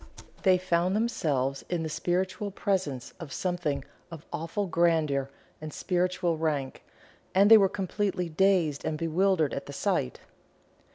They found themselves in the spiritual presence of Something of awful grandeur and spiritual rank, and were completely dazed and bewildered at the sight.